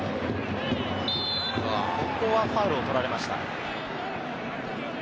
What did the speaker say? ここはファウルを取られました。